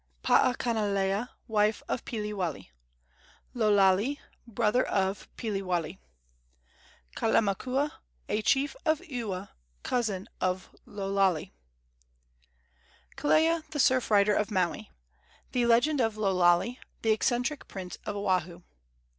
Paakanilea, wife of Piliwale. Lo Lale, brother of Piliwale. Kalamakua, a chief of Ewa, cousin of Lo Lale. KELEA, THE SURF RIDER OF MAUI. THE LEGEND OF LO LALE, THE ECCENTRIC PRINCE OF OAHU.